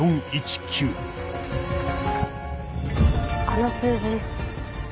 あの数字。